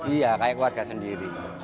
iya kayak keluarga sendiri